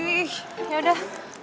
ih ya udah